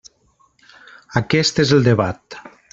Aquest és el debat.